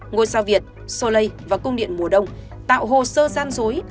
ngôi sao việt soleil và công điện mùa đông tạo hồ sơ gian dối